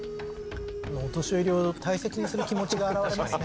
お年寄りを大切にする気持ちが表れますね。